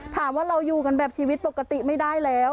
ถามว่าเราอยู่กันแบบชีวิตปกติไม่ได้แล้ว